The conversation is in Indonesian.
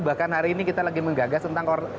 bahkan hari ini kita lagi menggagas tentang